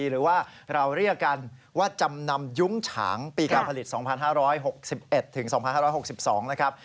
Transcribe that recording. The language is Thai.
หรือว่าเราเรียกกันว่าจำนำยุ้งฉางปีการผลิต๒๕๖๑ถึง๒๕๖๒นะครับ